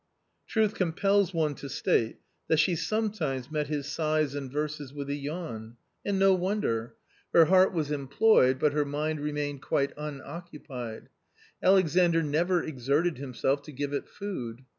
Truth compels one to state that she sometimes met his sighs and verses with a yawn. And no wonder; her heart 102 A COMMON STORY was employed, but her mind remained quite unoccupied. Alexandr never exerted himself to give it food.